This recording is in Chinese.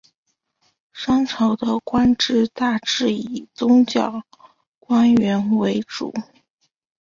商朝的官职大致以宗教官员为主。